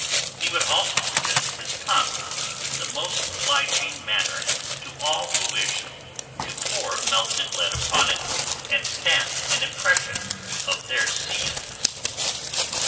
He would also present his tongue in the most obliging manner to all who wished, to pour melted lead upon it and stamp an impression of their seals."